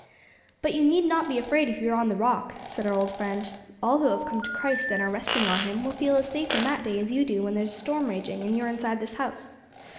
'But you need not be afraid if you are on the Rock,' said our old friend. 'All who have come to Christ, and are resting on Him, will feel as safe in that day as you do when there is a storm raging and you are inside this house.'